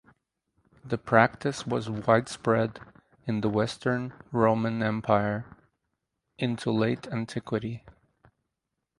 The practice was widespread in the Western Roman Empire into late antiquity.